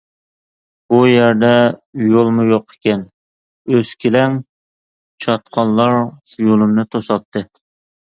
بۇ يەردە يولمۇ يوق ئىكەن، ئۆسكىلەڭ چاتقاللار يولۇمنى توساتتى.